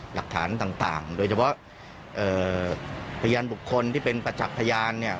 หลักฐานต่างโดยเฉพาะพยานบุคคลที่เป็นประจักษ์พยานเนี่ย